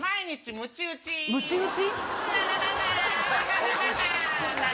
むち打ち？